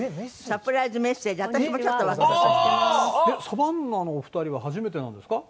「サバンナのお二人は初めてなんですか？